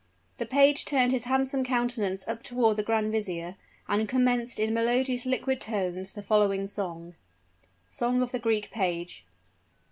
The page turned his handsome countenance up toward the grand vizier, and commenced in melodious, liquid tones, the following song SONG OF THE GREEK PAGE.